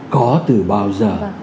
có từ bao giờ